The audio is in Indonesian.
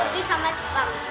pilih sama jepang